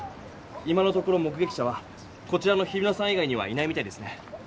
今のところ目げき者はこちらの日比野さん以外にはいないみたいですね。